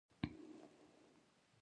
د فبروري په اتلسمه د مراکش لیدنه وه.